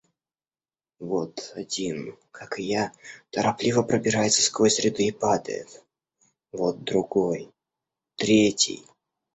Вот один, как и я, торопливо пробирается сквозь ряды и падает; вот другой, третий.